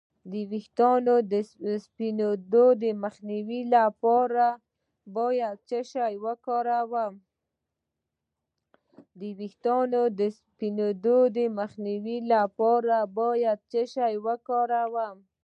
د ویښتو د سپینیدو مخنیوي لپاره باید څه شی وکاروم؟